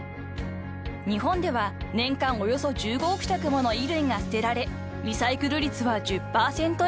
［日本では年間およそ１５億着もの衣類が捨てられリサイクル率は１０％以下］